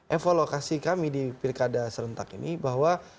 evaluasi kami di pilkada serentak ini bahwa